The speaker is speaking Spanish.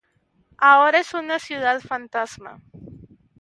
Ahora es una ciudad fantasma.